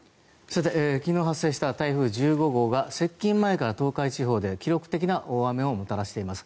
昨日発生した台風１５号が接近前から東海地方で記録的な大雨をもたらしています。